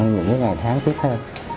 những cái ngày tháng tiếp theo